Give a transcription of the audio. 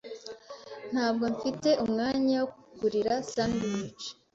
Ntabwo mfite umwanya wo kukugira sandwich.